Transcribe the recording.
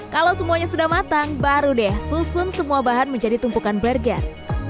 kalau semuanya sudah matang baru deh susun semua bahan menjadi tumpukan burger